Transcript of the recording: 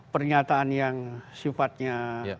pernyataan yang sifatnya